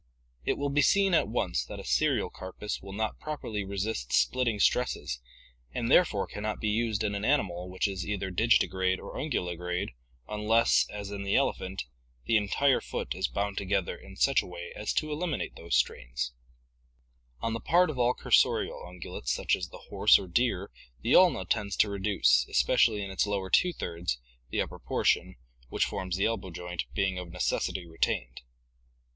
It will be seen at once that a serial carpus will not properly resist splitting stresses and therefore can not be used in an animal which is either digiti grade or unguligrade unless, as in the ele phant, the entire foot is bound together in such a way as to eliminate these strains. On the part of all cursorial ungulates such as the horse or deer the ulna tends to re 3 duce, especially in its lower two thirds, the Fro. 190.— Fore foot of Upper portion, which forms the elbow joint, elephant, Ehpha tndicui. *T K, '.,..,_,.',' viewed from in front, being of necessity retained.